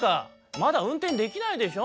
「まだうんてんできないでしょ」。